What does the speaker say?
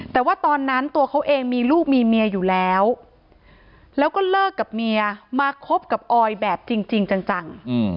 แต่ว่าตอนนั้นตัวเขาเองมีลูกมีเมียอยู่แล้วแล้วก็เลิกกับเมียมาคบกับออยแบบจริงจัง